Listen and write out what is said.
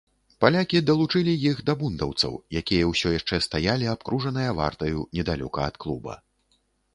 Палякі далучылі іх да бундаўцаў, якія ўсё яшчэ стаялі, абкружаныя вартаю, недалёка ад клуба.